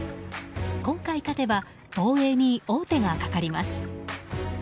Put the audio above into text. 今回勝てば防衛に王手がかかります。